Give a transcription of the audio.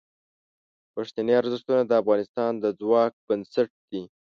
پښتني ارزښتونه د افغانستان د ځواک بنسټ دي.